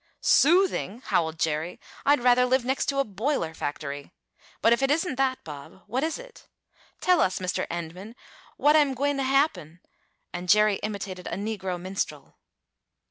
"Soothing!" howled Jerry. "I'd rather live next to a boiler factory! But if it isn't that, Bob, what is it? Tell us, Mr. Endman, what am gwine t' happen?" and Jerry imitated a negro minstrel.